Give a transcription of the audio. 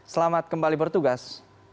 selamat kembali bertugas